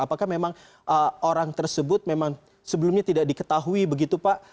apakah memang orang tersebut memang sebelumnya tidak diketahui begitu pak